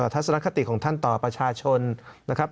ทัศนคติของท่านต่อประชาชนนะครับ